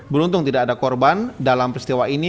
beruntung tidak ada korban dalam peristiwa ini